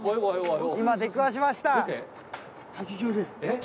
今出くわしました！